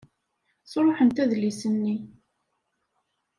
Sṛuḥent adlis-nni.